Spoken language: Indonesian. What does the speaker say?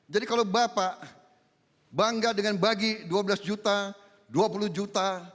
jadi kalau bapak bangga dengan bagi dua belas juta dua puluh juta